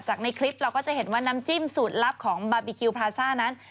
ในคลิปเราก็จะเห็นว่าน้ำจิ้มสูตรลับของบาร์บีคิวพาซ่านั้น